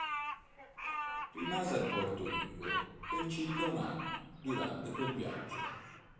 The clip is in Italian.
Rimase a Puerto Rico per circa un anno durante quel viaggio.